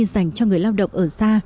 dành cho người lao động ở xa